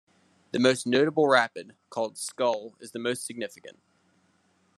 The most notable rapid, called "Skull", is the most significant.